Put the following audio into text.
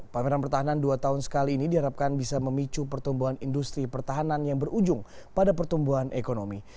pameran pertahanan dua tahun sekali ini diharapkan bisa memicu pertumbuhan industri pertahanan yang berujung pada pertumbuhan ekonomi